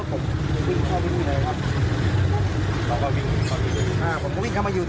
ก่อนดูดหัวผมก็โดดรถหนีมานี่มันก็คล้าระดูกผม